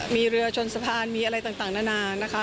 มีเรือชนสะพานมีอะไรต่างนานานะคะ